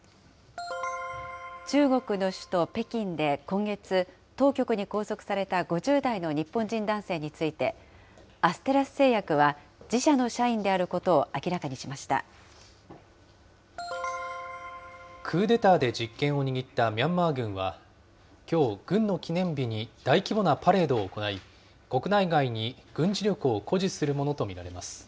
中国の首都北京で今月、当局に拘束された５０代の日本人男性について、アステラス製薬は、自社の社員であることを明らかにしクーデターで実権を握ったミャンマー軍は、きょう、軍の記念日に大規模なパレードを行い、国内外に軍事力を誇示するものと見られます。